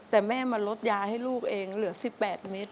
แต่แม่มาลดยาให้ลูกเองเหลือ๑๘เมตร